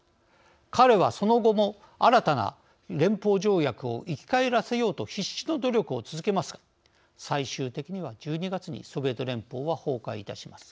彼は、その後も新たな連邦条約を生き返らせようと必死の努力を続けますが最終的には１２月にソビエト連邦は崩壊いたします。